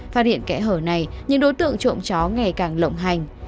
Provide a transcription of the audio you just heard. phát hiện kẽ hở này những đối tượng trộm chó ngày càng lộng hành